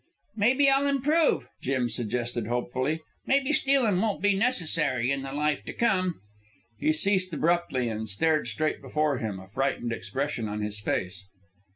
"Maybe I'll improve," Jim suggested hopefully. "Maybe stealin' won't be necessary in the life to come." He ceased abruptly, and stared straight before him, a frightened expression on his face.